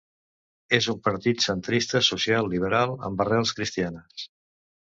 És un partit centrista social liberal amb arrels cristianes.